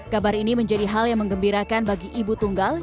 kabar ini menjadi hal yang mengembirakan bagi ibu tunggal